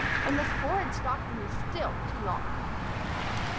And this horrid stocking is still too long."